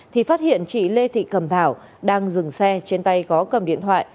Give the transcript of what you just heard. thì phát hiện chị lê thị cầm thảo đang dừng xe trên tay có cầm điện thoại